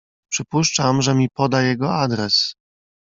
"Przypuszczam, że mi poda jego adres."